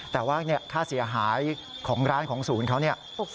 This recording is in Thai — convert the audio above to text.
แต่ว่าเนี่ยค่าเสียหายของร้านของศูนย์เขา๖๗๐๐๐๐บาท